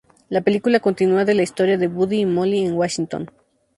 La película continúa de la historia de Buddy y Molly en Washington.